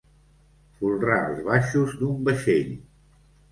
Folrar els baixos d'un vaixell.